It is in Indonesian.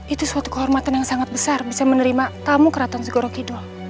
itu suatu kehormatan yang sangat besar bisa menerima tamu keraton segoro kidul